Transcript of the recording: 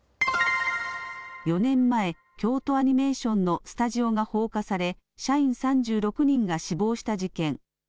４年前、京都アニメーションのスタジオが放火され社員３６人が死亡した事件。